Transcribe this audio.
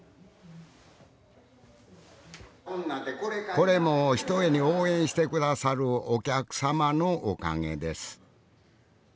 これもひとえに応援して下さるお客様のおかげです